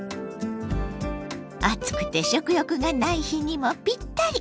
暑くて食欲がない日にもぴったり！